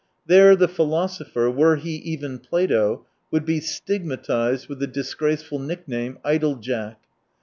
There the philosopher, were he even Plato, would be stigmatised with the disgraceful nickname, " Idle jack."